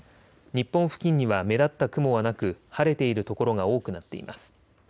日本付近には目立った雲はなく晴れている所が多くなっています。